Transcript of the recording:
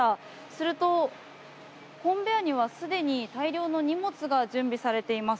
すると、コンベヤーにはすでに大量の荷物が準備されています。